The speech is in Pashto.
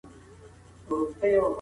بد انسان تل ظالم وي